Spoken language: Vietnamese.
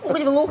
cái gì mà ngu